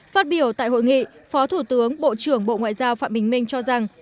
phát biểu tại hội nghị phó thủ tướng bộ trưởng bộ ngoại giao phạm bình minh cho rằng